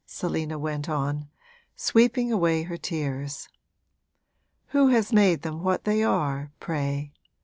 Selina went on, sweeping away her tears. 'Who has made them what they are, pray?